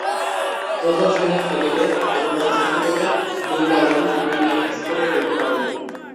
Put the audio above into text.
প্রথম শ্রেণীর ক্রিকেটে এবং টেস্ট ক্রিকেটে, দুই দলই দুই ইনিংস করে খেলতে পারে।